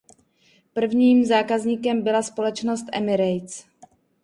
Prvním zákazníkem byla společnost Emirates.